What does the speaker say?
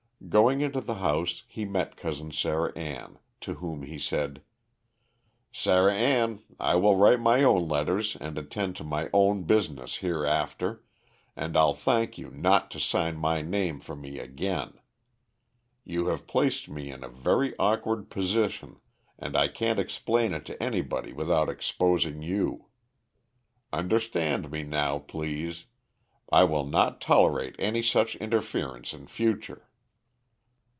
Going into the house, he met Cousin Sarah Ann, to whom he said: "Sarah Ann, I will write my own letters and attend to my own business hereafter, and I'll thank you not to sign my name for me again. You have placed me in a very awkward position, and I can't explain it to anybody without exposing you. Understand me now, please. I will not tolerate any such interference in future."